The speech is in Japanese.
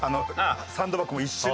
サンドバッグも一瞬。